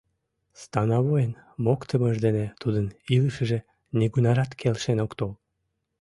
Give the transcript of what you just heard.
Становойын моктымыж дене тудын илышыже нигунарат келшен ок тол.